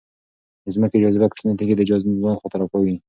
د ځمکې جاذبه کوچنۍ تیږې د ځان خواته راکاږي.